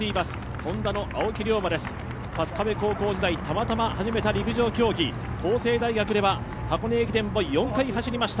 Ｈｏｎｄａの青木涼真です、春日部高校時代、たまたま始めた陸上競技、法政大学では箱根駅伝は４回走りました。